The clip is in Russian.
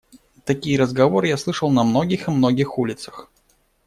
Такие разговоры я слышал на многих и многих улицах.